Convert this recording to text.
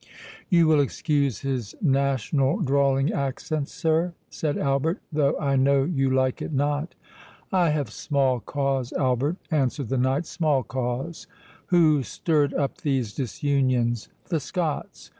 "You will excuse his national drawling accent, sir?" said Albert, "though I know you like it not." "I have small cause, Albert," answered the knight—"small cause.—Who stirred up these disunions?—the Scots.